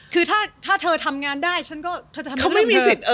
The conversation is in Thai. คือถ้าเธอทำงานได้เธอจะทำงานด้วย